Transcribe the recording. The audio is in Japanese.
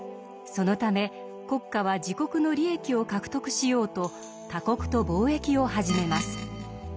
そのため国家は自国の利益を獲得しようと他国と貿易を始めます。